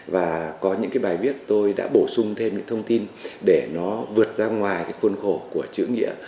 và có những cái bài viết tôi đã bổ sung thêm những thông tin để nó vượt ra ngoài cái khuôn khổ của chữ nghĩa